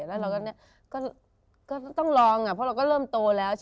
แล้วเราก็ต้องลองเพราะเราก็เริ่มโตแล้ว